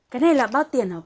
cái này là bao tiền hả cô